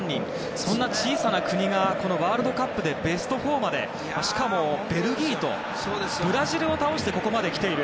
そんな小さな国がこのワールドカップでベスト４までしかもベルギーとブラジルを倒してここまで来ている。